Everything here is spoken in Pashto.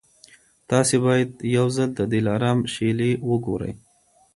تاسي باید یو ځل د دلارام شېلې وګورئ.